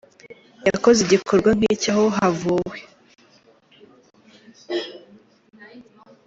yakoze igikorwa nk’iki aho havuwe